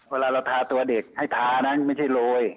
เวลาเราทาตัวเด็กให้ทานะไม่ใช่โรย